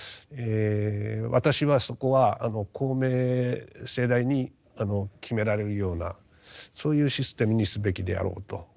私はそこは公明正大に決められるようなそういうシステムにすべきであろうと思ってます。